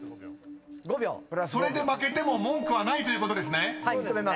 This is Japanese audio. ［それで負けても文句はないということですね］